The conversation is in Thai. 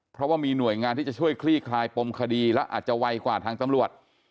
เพราะว่ามีหน่วยงานที่จะช่วยคลี่คลายปมคดีแล้วอาจจะไวกว่าทางตำรวจ